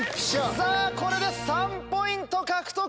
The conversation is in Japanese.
さぁこれで３ポイント獲得！